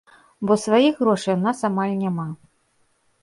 Бо сваіх грошай у нас амаль няма.